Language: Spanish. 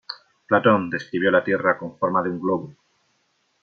Platón describió a la Tierra con forma de un globo.